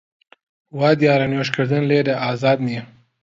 وا دیارە نوێژ کردن لێرە ئازاد نییە